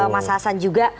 mas hasan juga